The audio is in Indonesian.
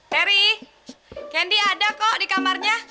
teri candy ada kok di kamarnya